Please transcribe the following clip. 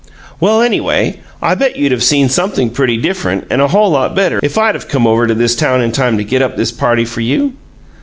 Well, anyway, I bet you'd of seen something pretty different and a whole lot better if I'd of come over to this town in time to get up this party for you!"